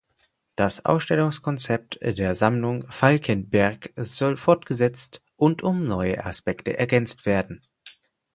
Das Ausstellungskonzept der Sammlung Falckenberg soll fortgesetzt und um neue Aspekte ergänzt werden.